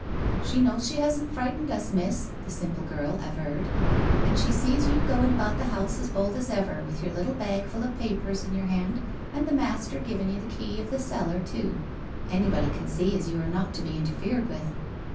' She knows she hasn't frightened us, Miss,' the simple girl averred. * And she sees you going about the house as bold as ever, with your little bag full of papers in your hand, and the master giving you the key of the cellar, too. Anybody can see as you are not to be interfered with